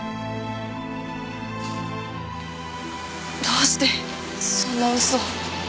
どうしてそんな嘘を？